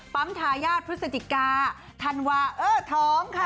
ปั๊มทายาทพฤษฎิกาธันวาเอ้อท้องค่ะ